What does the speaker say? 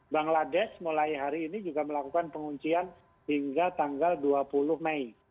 bangladesh mulai hari ini juga melakukan penguncian hingga tanggal dua puluh mei